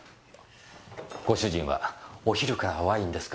ご主人はお昼からワインですか？